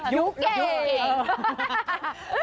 ยุเก่ง